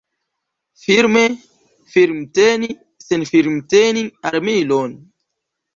Firme firmteni sen firmteni armilon.